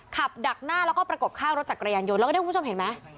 ดักหน้าแล้วก็ประกบข้างรถจักรยานยนต์แล้วก็ได้คุณผู้ชมเห็นไหม